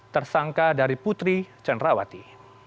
tersangka dari putri cenrawati